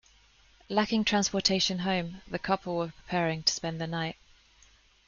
Lacking transportation home, the couple were preparing to spend the night.